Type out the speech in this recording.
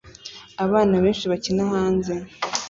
Abana benshi bakina hanze